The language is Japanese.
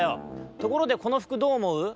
ところでこのふくどうおもう？